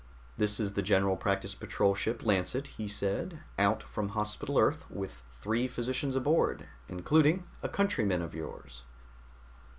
"This is the General Practice Patrol Ship Lancet," he said, "out from Hospital Earth with three physicians aboard, including a countryman of yours."